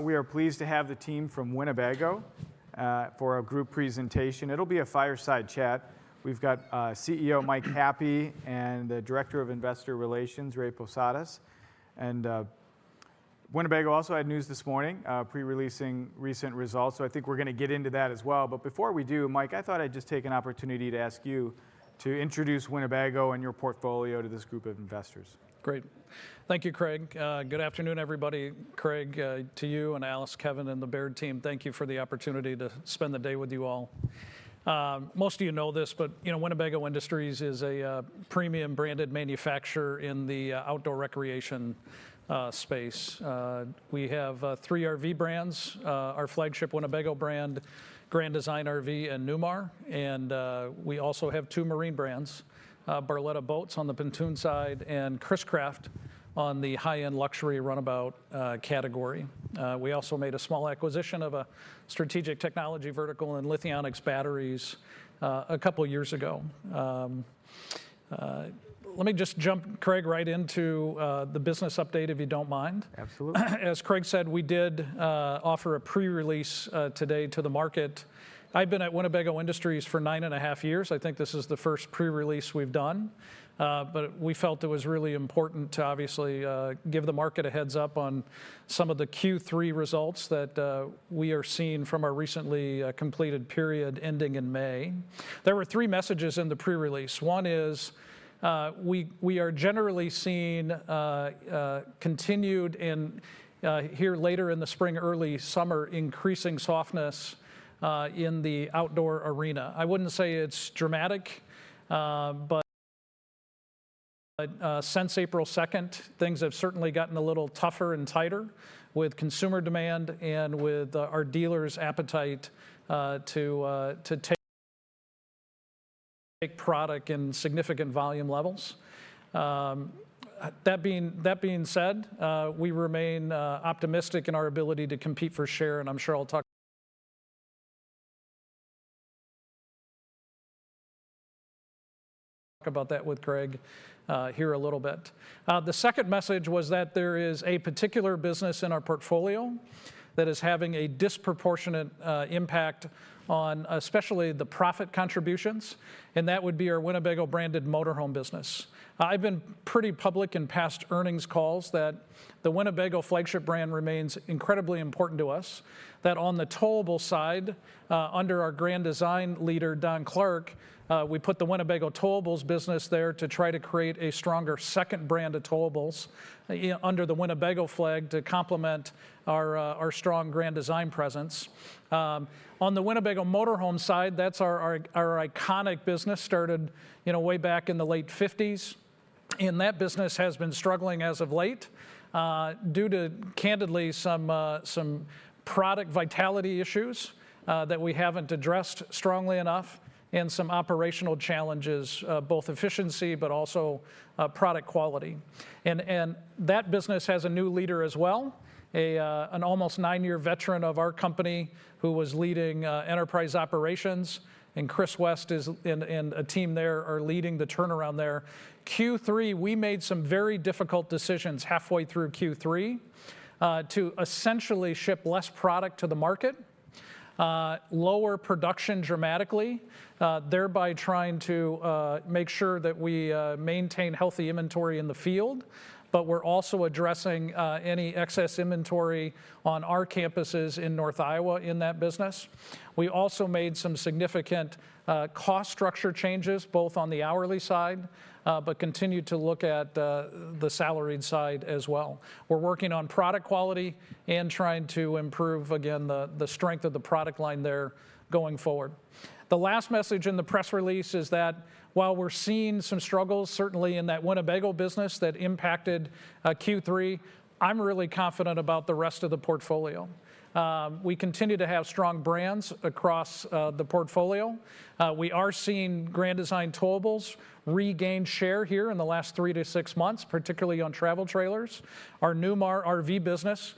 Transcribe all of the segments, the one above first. We are pleased to have the team from Winnebago for a group presentation. It'll be a fireside chat. We've got CEO Michael Happe and the Director of Investor Relations, Raymond Posadas. Winnebago also had news this morning, pre-releasing recent results. I think we're going to get into that as well. Before we do, Michael, I thought I'd just take an opportunity to ask you to introduce Winnebago and your portfolio to this group of investors. Great. Thank you, Craig. Good afternoon, everybody. Craig, to you and Alice, Kevin, and the Baird team, thank you for the opportunity to spend the day with you all. Most of you know this, but Winnebago Industries is a premium branded manufacturer in the outdoor recreation space. We have three RV brands: our flagship Winnebago brand, Grand Design RV, and Newmar. We also have two marine brands: Barletta Boats on the pontoon side and Chris-Craft on the high-end luxury runabout category. We also made a small acquisition of a strategic technology vertical in Lithionics batteries a couple of years ago. Let me just jump, Craig, right into the business update, if you do not mind. Absolutely. As Craig said, we did offer a pre-release today to the market. I've been at Winnebago Industries for nine and a half years. I think this is the first pre-release we've done. We felt it was really important to obviously give the market a heads up on some of the Q3 results that we are seeing from our recently completed period ending in May. There were three messages in the pre-release. One is we are generally seeing continued in here later in the spring, early summer, increasing softness in the outdoor arena. I wouldn't say it's dramatic, but since April 2, things have certainly gotten a little tougher and tighter with consumer demand and with our dealers' appetite to take product in significant volume levels. That being said, we remain optimistic in our ability to compete for share, and I'm sure I'll talk about that with Craig here a little bit. The second message was that there is a particular business in our portfolio that is having a disproportionate impact on especially the profit contributions, and that would be our Winnebago branded motorhome business. I've been pretty public in past earnings calls that the Winnebago flagship brand remains incredibly important to us, that on the towable side, under our Grand Design leader, Don Clark, we put the Winnebago towables business there to try to create a stronger second brand of towables under the Winnebago flag to complement our strong Grand Design presence. On the Winnebago motorhome side, that's our iconic business, started way back in the late 1950s. That business has been struggling as of late due to, candidly, some product vitality issues that we have not addressed strongly enough and some operational challenges, both efficiency, but also product quality. That business has a new leader as well, an almost nine-year veteran of our company who was leading enterprise operations, and Chris West and a team there are leading the turnaround there. In Q3, we made some very difficult decisions halfway through Q3 to essentially ship less product to the market, lower production dramatically, thereby trying to make sure that we maintain healthy inventory in the field, but we are also addressing any excess inventory on our campuses in North Iowa in that business. We also made some significant cost structure changes, both on the hourly side, but continued to look at the salaried side as well. We're working on product quality and trying to improve, again, the strength of the product line there going forward. The last message in the press release is that while we're seeing some struggles, certainly in that Winnebago business that impacted Q3, I'm really confident about the rest of the portfolio. We continue to have strong brands across the portfolio. We are seeing Grand Design towables regain share here in the last three to six months, particularly on travel trailers. Our Newmar RV business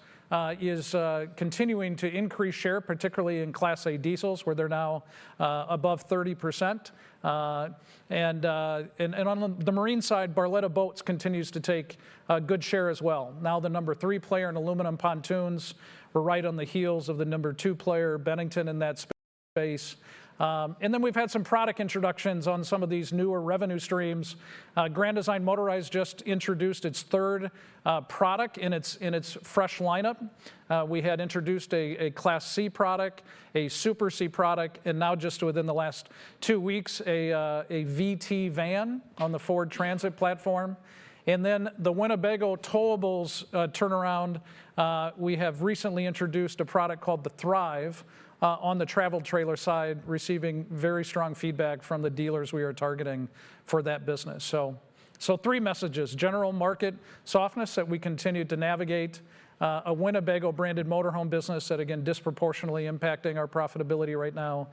is continuing to increase share, particularly in Class A diesels, where they're now above 30%. On the marine side, Barletta Boats continues to take a good share as well. Now the number three player in aluminum pontoons, we're right on the heels of the number two player, Bennington in that space. We've had some product introductions on some of these newer revenue streams. Grand Design Motorized just introduced its third product in its fresh lineup. We had introduced a Class C product, a Super C product, and now just within the last two weeks, a VT van on the Ford Transit platform. The Winnebago towables turnaround, we have recently introduced a product called the Thrive on the travel trailer side, receiving very strong feedback from the dealers we are targeting for that business. Three messages: general market softness that we continue to navigate, a Winnebago branded motorhome business that, again, disproportionately impacting our profitability right now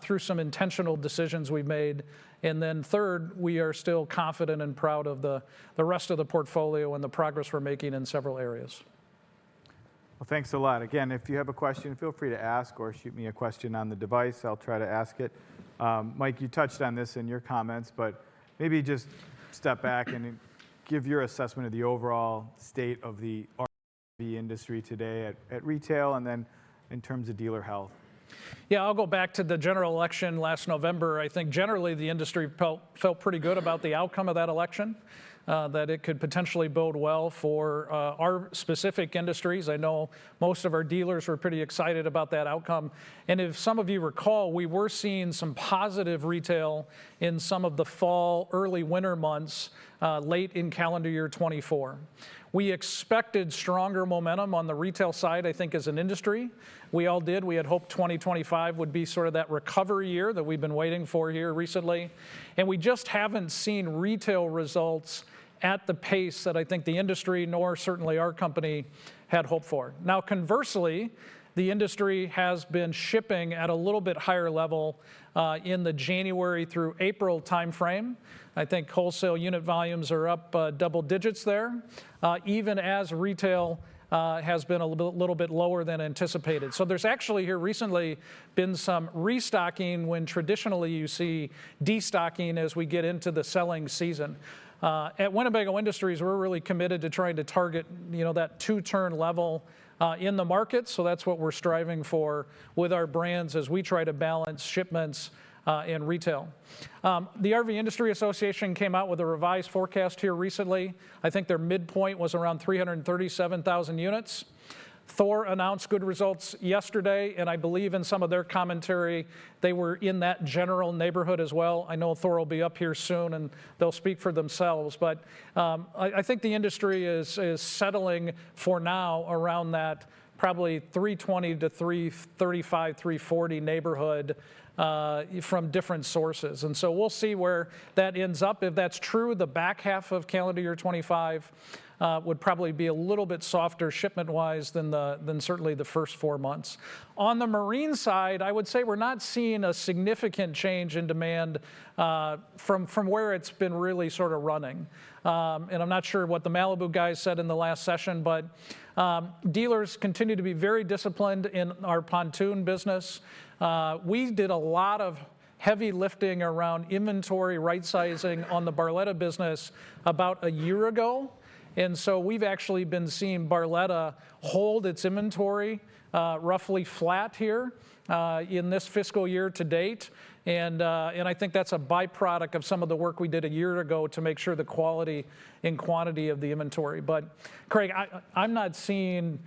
through some intentional decisions we have made. Third, we are still confident and proud of the rest of the portfolio and the progress we are making in several areas. Thanks a lot. Again, if you have a question, feel free to ask or shoot me a question on the device. I'll try to ask it. Mike, you touched on this in your comments, but maybe just step back and give your assessment of the overall state of the RV industry today at retail and then in terms of dealer health. Yeah, I'll go back to the general election last November. I think generally the industry felt pretty good about the outcome of that election, that it could potentially bode well for our specific industries. I know most of our dealers were pretty excited about that outcome. If some of you recall, we were seeing some positive retail in some of the fall, early winter months late in calendar year 2024. We expected stronger momentum on the retail side, I think, as an industry. We all did. We had hoped 2025 would be sort of that recovery year that we've been waiting for here recently. We just haven't seen retail results at the pace that I think the industry, nor certainly our company, had hoped for. Now, conversely, the industry has been shipping at a little bit higher level in the January through April timeframe. I think wholesale unit volumes are up double digits there, even as retail has been a little bit lower than anticipated. There has actually here recently been some restocking when traditionally you see destocking as we get into the selling season. At Winnebago Industries, we're really committed to trying to target that two-turn level in the market. That is what we're striving for with our brands as we try to balance shipments and retail. The RV Industry Association came out with a revised forecast here recently. I think their midpoint was around 337,000 units. Thor announced good results yesterday, and I believe in some of their commentary, they were in that general neighborhood as well. I know Thor will be up here soon and they'll speak for themselves. I think the industry is settling for now around that probably 320-335, 340 neighborhood from different sources. We'll see where that ends up. If that's true, the back half of calendar year 2025 would probably be a little bit softer shipment-wise than certainly the first four months. On the marine side, I would say we're not seeing a significant change in demand from where it's been really sort of running. I'm not sure what the Malibu guys said in the last session, but dealers continue to be very disciplined in our pontoon business. We did a lot of heavy lifting around inventory right-sizing on the Barletta business about a year ago. We've actually been seeing Barletta hold its inventory roughly flat here in this fiscal year to date. I think that's a byproduct of some of the work we did a year ago to make sure the quality and quantity of the inventory. Craig, I'm not seeing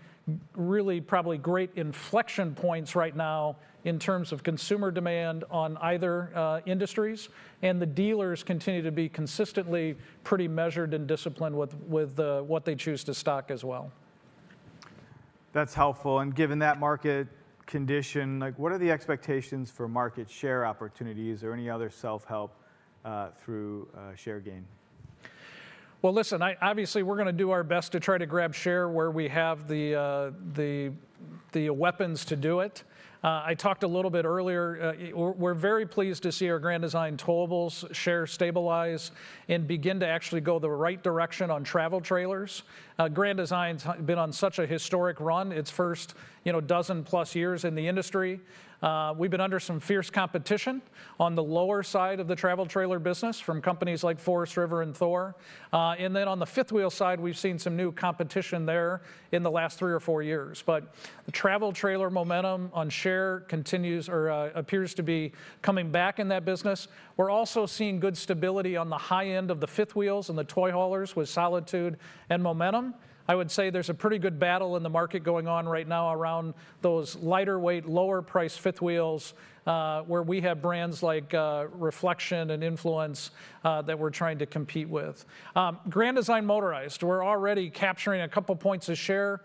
really probably great inflection points right now in terms of consumer demand on either industries. The dealers continue to be consistently pretty measured and disciplined with what they choose to stock as well. That's helpful. Given that market condition, what are the expectations for market share opportunities or any other self-help through share gain? Obviously we're going to do our best to try to grab share where we have the weapons to do it. I talked a little bit earlier. We're very pleased to see our Grand Design towables share stabilize and begin to actually go the right direction on travel trailers. Grand Design's been on such a historic run, its first dozen-plus years in the industry. We've been under some fierce competition on the lower side of the travel trailer business from companies like Forest River and Thor. On the fifth wheel side, we've seen some new competition there in the last three or four years. The travel trailer momentum on share appears to be coming back in that business. We're also seeing good stability on the high end of the fifth wheels and the toy haulers with Solitude and Momentum. I would say there's a pretty good battle in the market going on right now around those lighter weight, lower priced fifth wheels where we have brands like Reflection and Influence that we're trying to compete with. Grand Design Motorized, we're already capturing a couple of points of share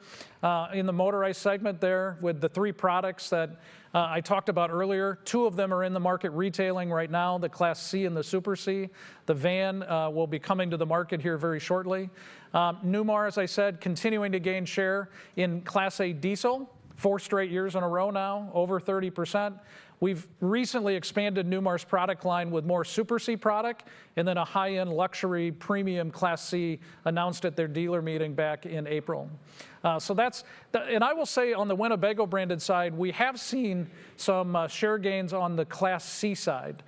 in the motorized segment there with the three products that I talked about earlier. Two of them are in the market retailing right now, the Class C and the Super C. The van will be coming to the market here very shortly. Newmar, as I said, continuing to gain share in Class A diesel, four straight years in a row now, over 30%. We've recently expanded Newmar's product line with more Super C product and then a high-end luxury premium Class C announced at their dealer meeting back in April. I will say on the Winnebago branded side, we have seen some share gains on the Class C side,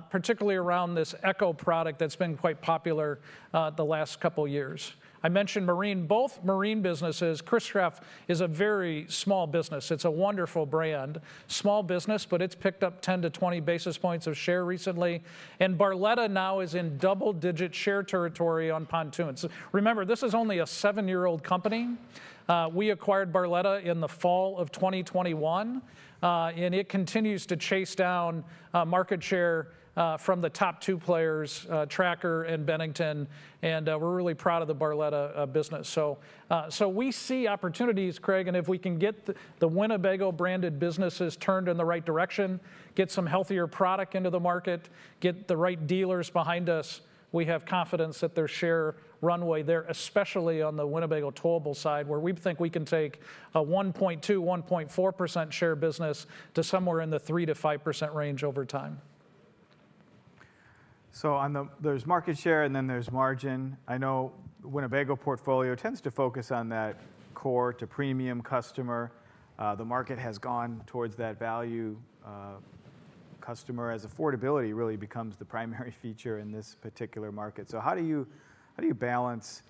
particularly around this Echo product that's been quite popular the last couple of years. I mentioned marine, both marine businesses. Chris-Craft is a very small business. It's a wonderful brand, small business, but it's picked up 10-20 basis points of share recently. Barletta now is in double-digit share territory on pontoons. Remember, this is only a seven-year-old company. We acquired Barletta in the fall of 2021, and it continues to chase down market share from the top two players, Tracker and Bennington. We're really proud of the Barletta business. We see opportunities, Craig, and if we can get the Winnebago branded businesses turned in the right direction, get some healthier product into the market, get the right dealers behind us, we have confidence that there is share runway there, especially on the Winnebago towable side, where we think we can take a 1.2-1.4% share business to somewhere in the 3-5% range over time. There's market share and then there's margin. I know Winnebago portfolio tends to focus on that core to premium customer. The market has gone towards that value customer as affordability really becomes the primary feature in this particular market. How do you balance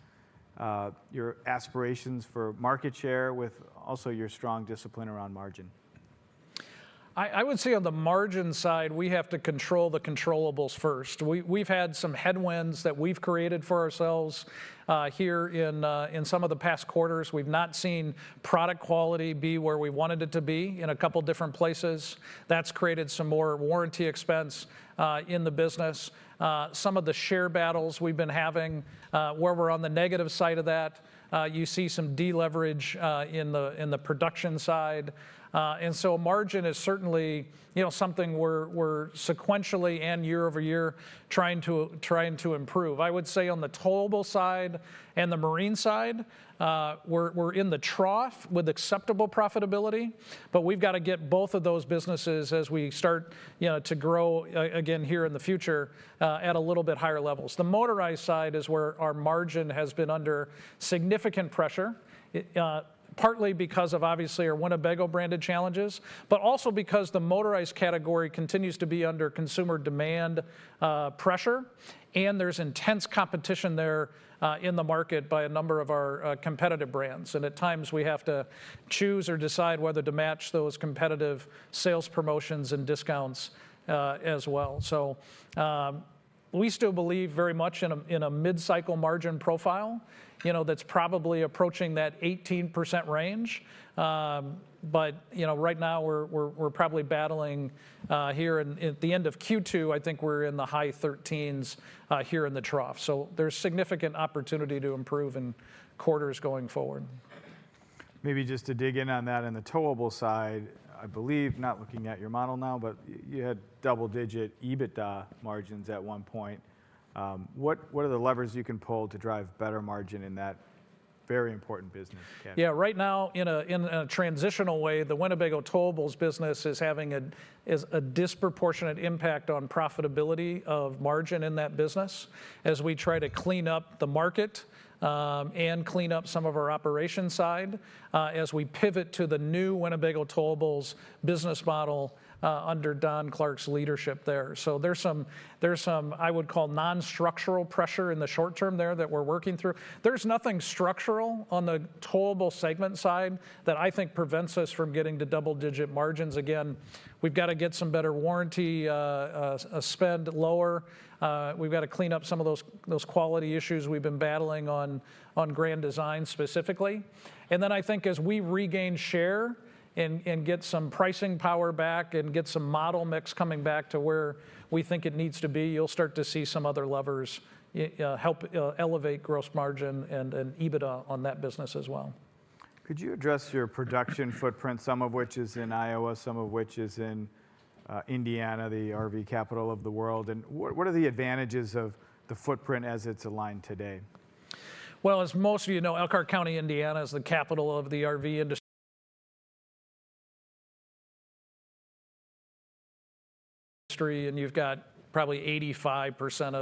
your aspirations for market share with also your strong discipline around margin? I would say on the margin side, we have to control the controllables first. We've had some headwinds that we've created for ourselves here in some of the past quarters. We've not seen product quality be where we wanted it to be in a couple of different places. That's created some more warranty expense in the business. Some of the share battles we've been having where we're on the negative side of that, you see some deleverage in the production side. Margin is certainly something we're sequentially and year over year trying to improve. I would say on the towable side and the marine side, we're in the trough with acceptable profitability, but we've got to get both of those businesses as we start to grow again here in the future at a little bit higher levels. The motorized side is where our margin has been under significant pressure, partly because of obviously our Winnebago branded challenges, but also because the motorized category continues to be under consumer demand pressure. There is intense competition there in the market by a number of our competitive brands. At times we have to choose or decide whether to match those competitive sales promotions and discounts as well. We still believe very much in a mid-cycle margin profile that's probably approaching that 18% range. Right now we're probably battling here at the end of Q2, I think we're in the high 13% here in the trough. There is significant opportunity to improve in quarters going forward. Maybe just to dig in on that on the towable side, I believe not looking at your model now, but you had double-digit EBITDA margins at one point. What are the levers you can pull to drive better margin in that very important business? Yeah, right now in a transitional way, the Winnebago towables business is having a disproportionate impact on profitability of margin in that business as we try to clean up the market and clean up some of our operation side as we pivot to the new Winnebago towables business model under Don Clark's leadership there. There is some, I would call non-structural pressure in the short term there that we're working through. There is nothing structural on the towable segment side that I think prevents us from getting to double-digit margins. Again, we've got to get some better warranty spend lower. We've got to clean up some of those quality issues we've been battling on Grand Design specifically. I think as we regain share and get some pricing power back and get some model mix coming back to where we think it needs to be, you'll start to see some other levers help elevate gross margin and EBITDA on that business as well. Could you address your production footprint, some of which is in Iowa, some of which is in Indiana, the RV capital of the world? What are the advantages of the footprint as it's aligned today? As most of you know, Elkhart County, Indiana, is the capital of the RV industry, and you've got probably 85%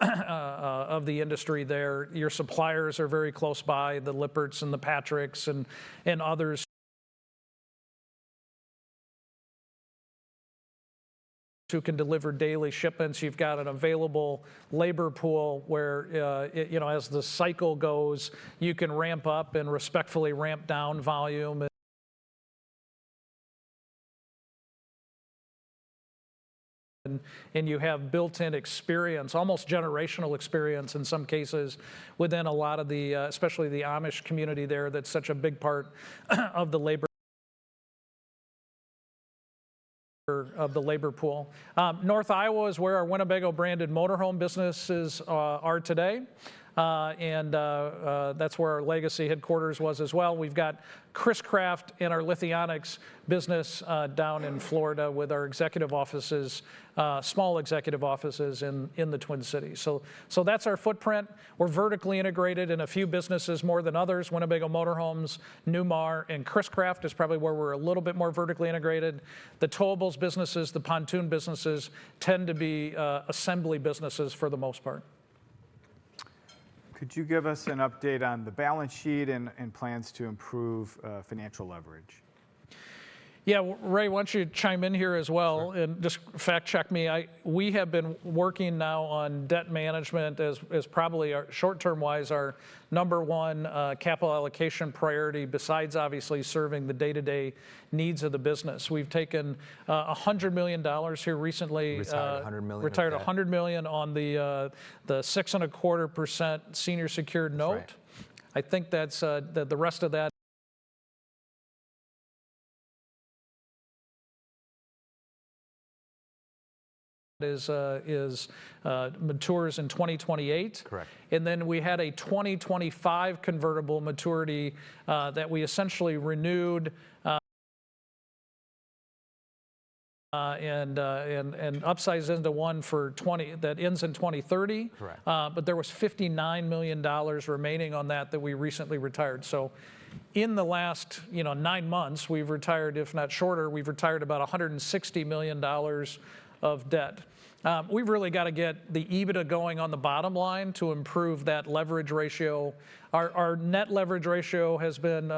of the industry there. Your suppliers are very close by, the Lippert Components and the Patrick Industries and others who can deliver daily shipments. You've got an available labor pool where, as the cycle goes, you can ramp up and respectfully ramp down volume. You have built-in experience, almost generational experience in some cases within a lot of the, especially the Amish community there, that's such a big part of the labor pool. North Iowa is where our Winnebago branded motorhome businesses are today. That's where our legacy headquarters was as well. We've got Chris-Craft and our Lithionics business down in Florida with our executive offices, small executive offices in the Twin Cities. That's our footprint. We're vertically integrated in a few businesses more than others. Winnebago motorhomes, Newmar, and Chris-Craft is probably where we're a little bit more vertically integrated. The towables businesses, the pontoon businesses tend to be assembly businesses for the most part. Could you give us an update on the balance sheet and plans to improve financial leverage? Yeah, Ray, why do not you chime in here as well and just fact-check me. We have been working now on debt management as probably short-term-wise our number one capital allocation priority besides obviously serving the day-to-day needs of the business. We have taken $100 million here recently. Retired 100 million. Retired 100 million on the 6.25% senior secured note. I think that the rest of that matures in 2028. We had a 2025 convertible maturity that we essentially renewed and upsized into one that ends in 2030. There was $59 million remaining on that that we recently retired. In the last nine months, if not shorter, we've retired about $160 million of debt. We've really got to get the EBITDA going on the bottom line to improve that leverage ratio. Our net leverage ratio has been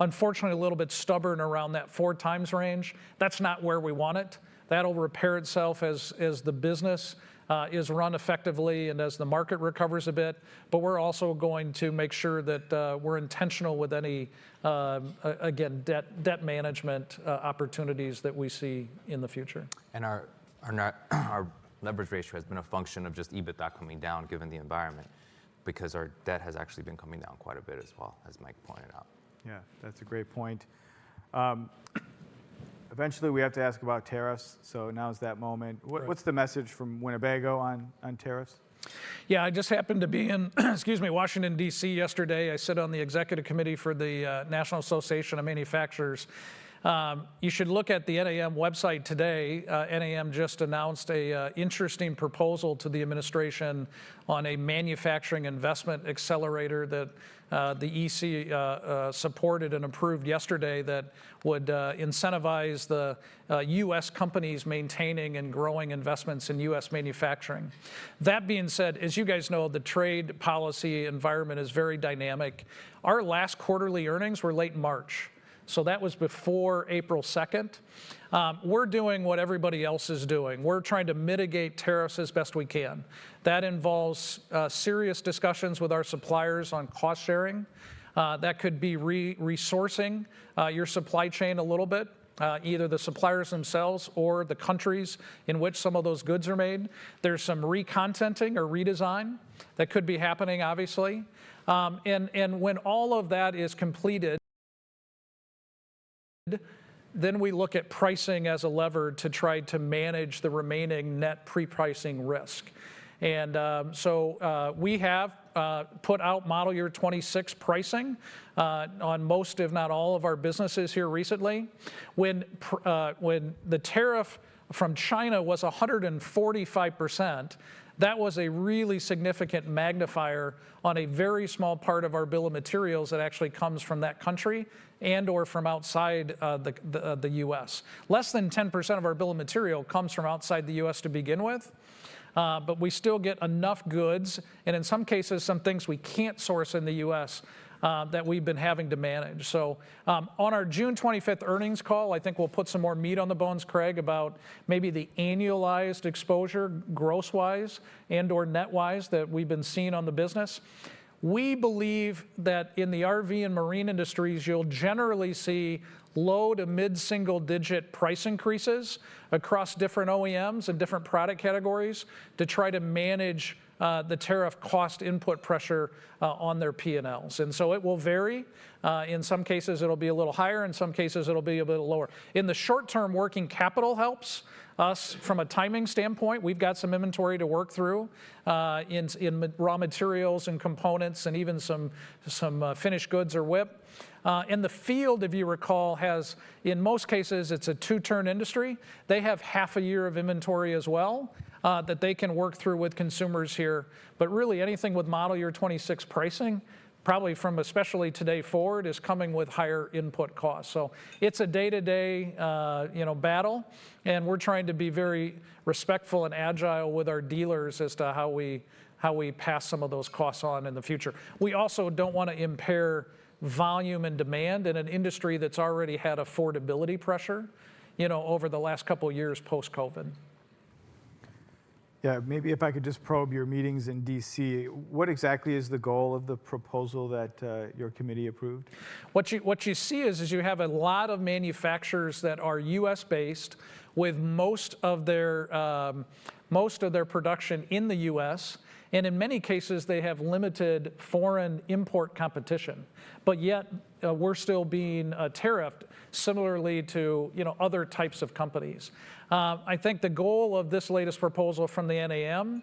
unfortunately a little bit stubborn around that four times range. That's not where we want it. That will repair itself as the business is run effectively and as the market recovers a bit. We're also going to make sure that we're intentional with any, again, debt management opportunities that we see in the future. Our leverage ratio has been a function of just EBITDA coming down given the environment because our debt has actually been coming down quite a bit as well, as Mike pointed out. Yeah, that's a great point. Eventually we have to ask about tariffs. Now is that moment. What's the message from Winnebago on tariffs? Yeah, I just happened to be in, excuse me, Washington, DC yesterday. I sit on the executive committee for the National Association of Manufacturers. You should look at the NAM website today. NAM just announced an interesting proposal to the administration on a manufacturing investment accelerator that the EC supported and approved yesterday that would incentivize the US companies maintaining and growing investments in US manufacturing. That being said, as you guys know, the trade policy environment is very dynamic. Our last quarterly earnings were late March. So that was before April 2nd. We're doing what everybody else is doing. We're trying to mitigate tariffs as best we can. That involves serious discussions with our suppliers on cost sharing. That could be resourcing your supply chain a little bit, either the suppliers themselves or the countries in which some of those goods are made. There's some recontenting or redesign that could be happening, obviously. When all of that is completed, we look at pricing as a lever to try to manage the remaining net pre-pricing risk. We have put out model year 2026 pricing on most, if not all, of our businesses here recently. When the tariff from China was 145%, that was a really significant magnifier on a very small part of our bill of materials that actually comes from that country and/or from outside the U.S. Less than 10% of our bill of materials comes from outside the U.S. to begin with, but we still get enough goods and in some cases, some things we can't source in the U.S. that we've been having to manage. On our June 25th earnings call, I think we'll put some more meat on the bones, Craig, about maybe the annualized exposure gross-wise and/or net-wise that we've been seeing on the business. We believe that in the RV and marine industries, you'll generally see low to mid-single-digit price increases across different OEMs and different product categories to try to manage the tariff cost input pressure on their P&Ls. It will vary. In some cases, it'll be a little higher. In some cases, it'll be a bit lower. In the short term, working capital helps us from a timing standpoint. We've got some inventory to work through in raw materials and components and even some finished goods or WIP. The field, if you recall, has in most cases, it's a two-turn industry. They have half a year of inventory as well that they can work through with consumers here. Really, anything with model year 2026 pricing, probably from especially today forward, is coming with higher input costs. It is a day-to-day battle. We are trying to be very respectful and agile with our dealers as to how we pass some of those costs on in the future. We also do not want to impair volume and demand in an industry that has already had affordability pressure over the last couple of years post-COVID. Yeah, maybe if I could just probe your meetings in DC, what exactly is the goal of the proposal that your committee approved? What you see is you have a lot of manufacturers that are U.S.-based with most of their production in the U.S. In many cases, they have limited foreign import competition. Yet, we're still being tariffed similarly to other types of companies. I think the goal of this latest proposal from the NAM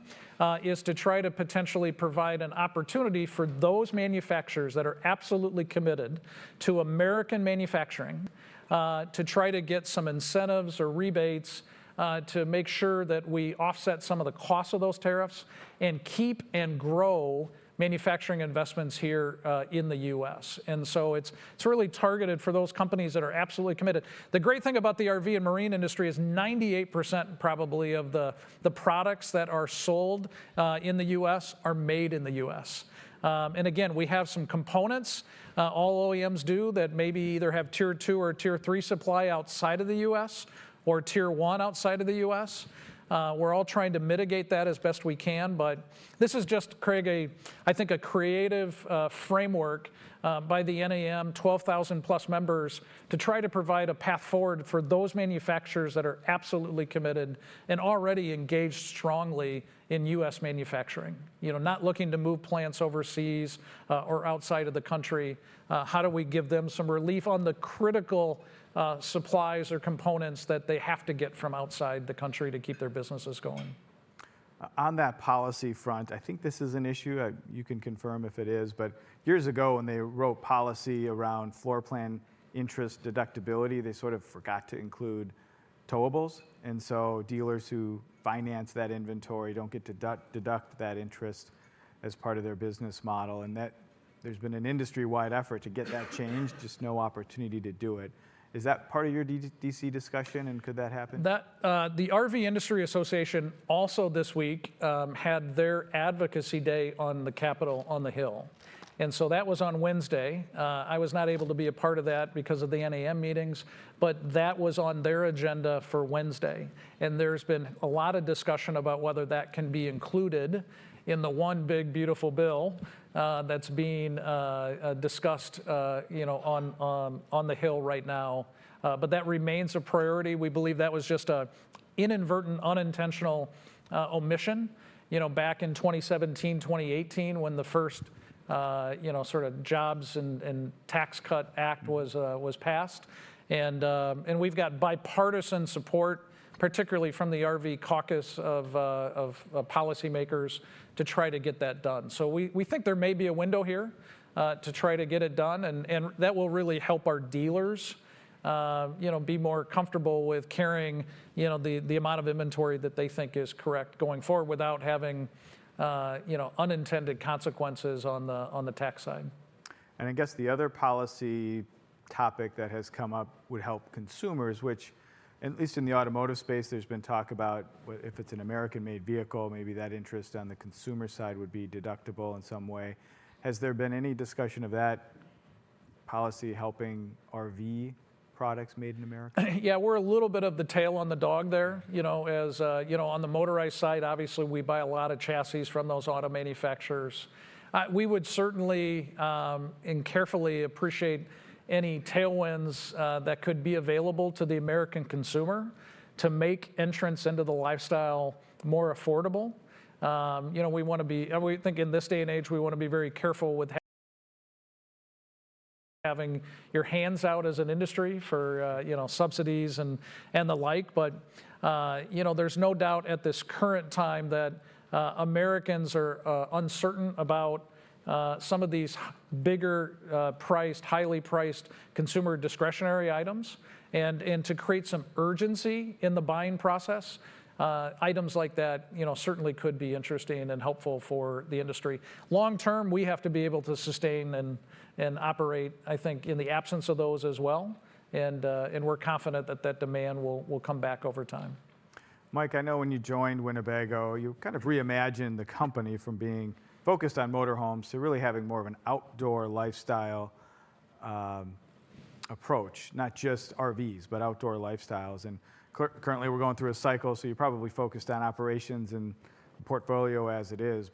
is to try to potentially provide an opportunity for those manufacturers that are absolutely committed to American manufacturing to try to get some incentives or rebates to make sure that we offset some of the costs of those tariffs and keep and grow manufacturing investments here in the U.S. It is really targeted for those companies that are absolutely committed. The great thing about the RV and marine industry is 98% probably of the products that are sold in the U.S. are made in the U.S. We have some components, all OEMs do, that maybe either have tier two or tier three supply outside of the U.S. or tier one outside of the U.S. We are all trying to mitigate that as best we can. This is just, Craig, I think a creative framework by the NAM, 12,000 plus members, to try to provide a path forward for those manufacturers that are absolutely committed and already engaged strongly in U.S. manufacturing, not looking to move plants overseas or outside of the country. How do we give them some relief on the critical supplies or components that they have to get from outside the country to keep their businesses going? On that policy front, I think this is an issue. You can confirm if it is. Years ago, when they wrote policy around floor plan interest deductibility, they sort of forgot to include towables. Dealers who finance that inventory do not get to deduct that interest as part of their business model. There has been an industry-wide effort to get that changed, just no opportunity to do it. Is that part of your DC discussion and could that happen? The RV Industry Association also this week had their advocacy day on the Capitol on the Hill. That was on Wednesday. I was not able to be a part of that because of the NAM meetings. That was on their agenda for Wednesday. There has been a lot of discussion about whether that can be included in the one big beautiful bill that is being discussed on the Hill right now. That remains a priority. We believe that was just an inadvertent, unintentional omission back in 2017, 2018, when the first sort of jobs and tax cut act was passed. We have bipartisan support, particularly from the RV caucus of policymakers to try to get that done. We think there may be a window here to try to get it done. That will really help our dealers be more comfortable with carrying the amount of inventory that they think is correct going forward without having unintended consequences on the tax side. I guess the other policy topic that has come up would help consumers, which at least in the automotive space, there's been talk about if it's an American-made vehicle, maybe that interest on the consumer side would be deductible in some way. Has there been any discussion of that policy helping RV products made in America? Yeah, we're a little bit of the tail on the dog there. As you know, on the motorized side, obviously we buy a lot of chassis from those auto manufacturers. We would certainly and carefully appreciate any tailwinds that could be available to the American consumer to make entrance into the lifestyle more affordable. We want to be, I think in this day and age, we want to be very careful with having your hands out as an industry for subsidies and the like. There is no doubt at this current time that Americans are uncertain about some of these bigger priced, highly priced consumer discretionary items. To create some urgency in the buying process, items like that certainly could be interesting and helpful for the industry. Long term, we have to be able to sustain and operate, I think, in the absence of those as well. We are confident that that demand will come back over time. Mike, I know when you joined Winnebago, you kind of reimagined the company from being focused on motorhomes to really having more of an outdoor lifestyle approach, not just RVs, but outdoor lifestyles. Currently, we're going through a cycle, so you're probably focused on operations and portfolio as it is.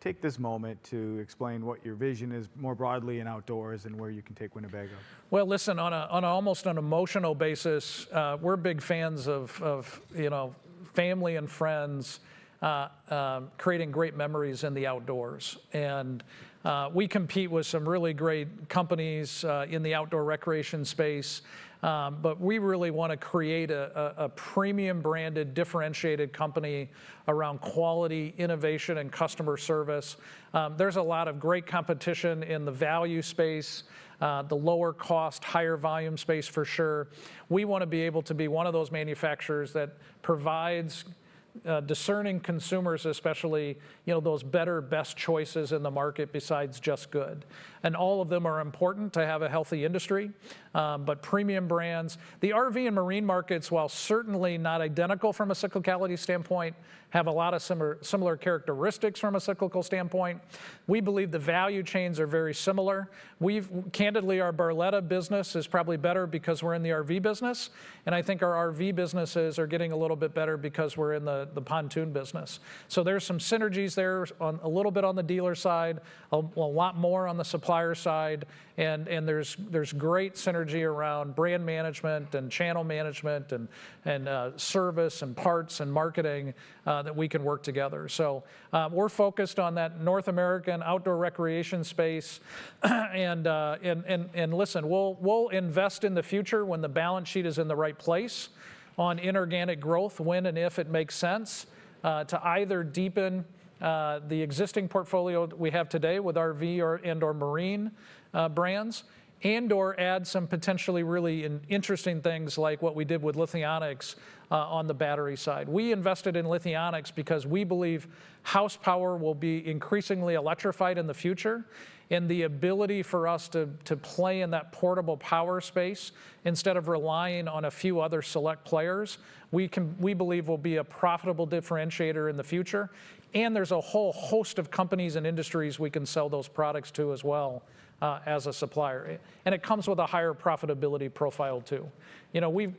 Take this moment to explain what your vision is more broadly in outdoors and where you can take Winnebago. On almost an emotional basis, we're big fans of family and friends creating great memories in the outdoors. We compete with some really great companies in the outdoor recreation space. We really want to create a premium branded differentiated company around quality, innovation, and customer service. There's a lot of great competition in the value space, the lower cost, higher volume space for sure. We want to be able to be one of those manufacturers that provides discerning consumers, especially those better, best choices in the market besides just good. All of them are important to have a healthy industry, but premium brands. The RV and marine markets, while certainly not identical from a cyclicality standpoint, have a lot of similar characteristics from a cyclical standpoint. We believe the value chains are very similar. Candidly, our Barletta business is probably better because we're in the RV business. I think our RV businesses are getting a little bit better because we're in the pontoon business. There are some synergies there a little bit on the dealer side, a lot more on the supplier side. There is great synergy around brand management and channel management and service and parts and marketing that we can work together. We are focused on that North American outdoor recreation space. Listen, we'll invest in the future when the balance sheet is in the right place on inorganic growth when and if it makes sense to either deepen the existing portfolio we have today with RV and/or marine brands and/or add some potentially really interesting things like what we did with Lithionics on the battery side. We invested in Lithionics because we believe house power will be increasingly electrified in the future. The ability for us to play in that portable power space instead of relying on a few other select players, we believe, will be a profitable differentiator in the future. There is a whole host of companies and industries we can sell those products to as well as a supplier. It comes with a higher profitability profile too.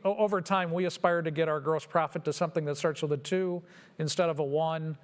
Over time, we aspire to get our gross profit to something that starts with a two instead of a one.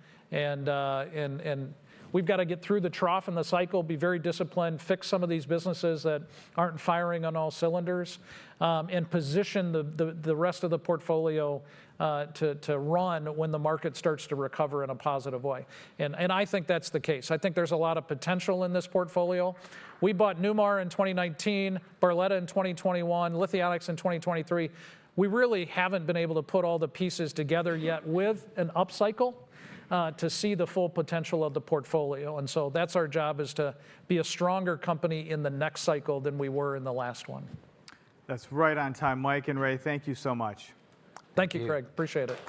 We have to get through the trough in the cycle, be very disciplined, fix some of these businesses that are not firing on all cylinders, and position the rest of the portfolio to run when the market starts to recover in a positive way. I think that is the case. I think there's a lot of potential in this portfolio. We bought Newmar in 2019, Barletta in 2021, Lithionics in 2023. We really haven't been able to put all the pieces together yet with an upcycle to see the full potential of the portfolio. That is our job, to be a stronger company in the next cycle than we were in the last one. That's right on time, Mike and Ray. Thank you so much. Thank you, Craig. Appreciate it.